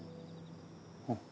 うん。